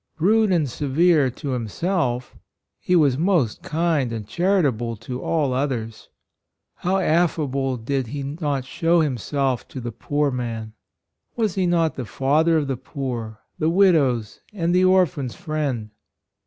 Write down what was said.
Rude and severe to himself, he was most kind and charitable to all others. — How affable did he not shew him self to the poor man ? Was he not the father of the poor, the widow's and the orphan's friend?